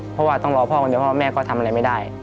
เพราะว่าต้องรอพ่อคนเดียวพ่อแม่ก็ทำอะไรไม่ได้